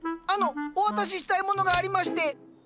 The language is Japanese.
あのお渡ししたいものがありまして。